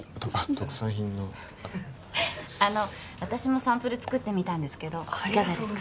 特産品のあの私もサンプル作ってみたんですけどいかがですか？